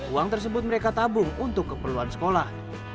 uang tersebut mereka tabung untuk keperluan sekolah